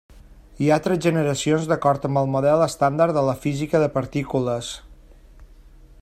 Hi ha tres generacions d'acord amb el model estàndard de la física de partícules.